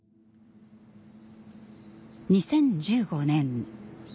２０１５年。